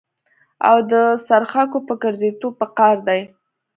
او د څرخکو په ګرځېدو په قار دي.